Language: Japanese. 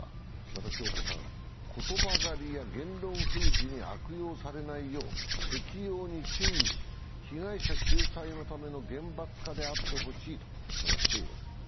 また、響子さん、言葉狩りや言論封じに悪用されないよう適用に注意し、被害者救済のための厳罰化であってほしいと話しています。